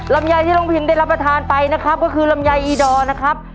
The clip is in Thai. ลำไยที่น้องพิงได้รับประทานไปนะครับก็คือลำไยอีดอร์นะครับ